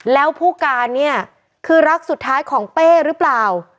แล้วผู้การเนี่ยคือรักสุดท้ายของเป้หรือเปล่า